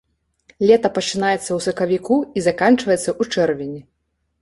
Лета пачынаецца ў сакавіку і заканчваецца ў чэрвені.